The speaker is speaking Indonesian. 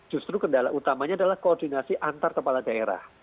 justru kendala utamanya adalah koordinasi antar kepala daerah